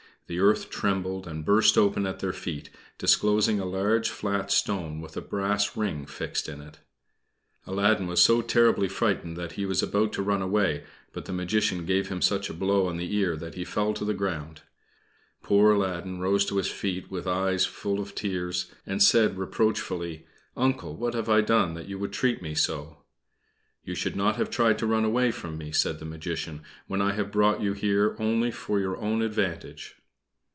The earth trembled, and burst open at their feet disclosing a large flat stone with a brass ring fixed in it. Aladdin was so terribly frightened that he was about to run away; but the Magician gave him such a blow on the ear that he fell to the ground. Poor Aladdin rose to his feet with eyes full of tears, and said, reproachfully "Uncle, what have I done that you should treat me so?" "You should not have tried to run away from me," said the Magician, "when I have brought you here only for your own advantage.